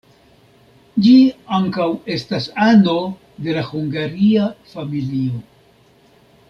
Ĝi ankaŭ estas ano de la Hungaria familio.